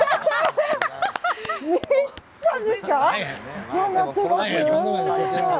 お世話になってます。